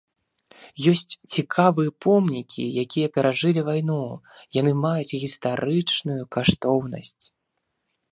Ёсць цікавыя помнікі, якія перажылі вайну, яны маюць гістарычную каштоўнасць.